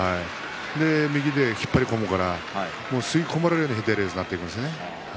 右で引っ張り込むから吸い込まれるように左四つになっていくんですね。